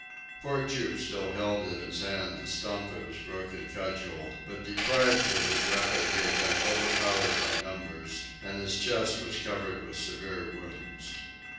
Poor Jup still held in his hand the stump of his broken cudgel, but deprived of his weapon he had been overpowered by numbers, and his chest was covered with severe wounds.